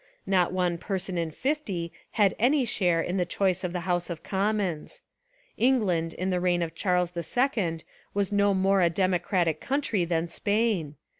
Not one person in fifty had any share in the choice of the House of Commons. England in the reign of Charles II was no more a democratic country than Spain.